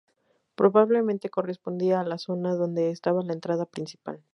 Probablemente correspondía a la zona donde estaba la entrada principal.